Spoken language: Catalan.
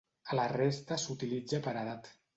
A la resta s'utilitza paredat.